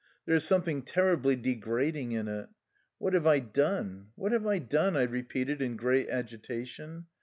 There is something terribly degrad ing in it. "What have I done? what have I done?'' I repeated in great agitation.